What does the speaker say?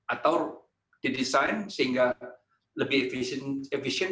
atau didesign sehingga lebih efficient